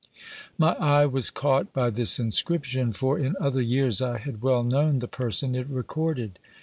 My eye was caught by this inscription, for in other years I had well known the person it recorded.